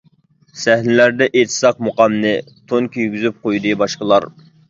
سەھنىلەردە ئېيتساق مۇقامنى، تون كىيگۈزۈپ قويدى باشقىلار.